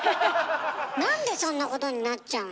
なんでそんなことになっちゃうの？